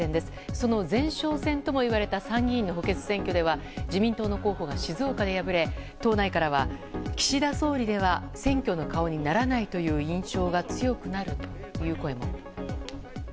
その前哨戦ともいわれた参議院の補欠選挙では自民党の候補が静岡で敗れ党内からは岸田総理では選挙の顔にならないという印象が強くなるという声も。